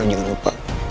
apa lo jangan lupa